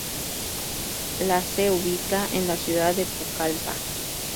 La se ubica en la ciudad de Pucallpa.